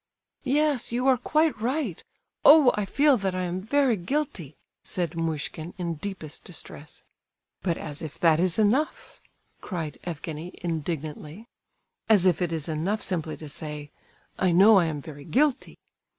"Yes, you are quite right. Oh! I feel that I am very guilty!" said Muishkin, in deepest distress. "But as if that is enough!" cried Evgenie, indignantly. "As if it is enough simply to say: 'I know I am very guilty!